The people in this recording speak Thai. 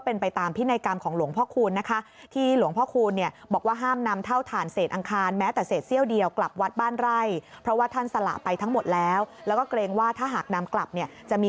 เอาไว้อย่างเด็ดขาด